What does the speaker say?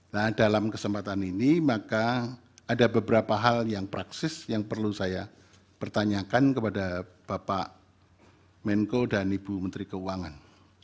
nah dalam kesempatan ini maka ada beberapa hal yang praksis yang perlu saya pertanyakan kepada bapak menko dan ibu menteri keuangan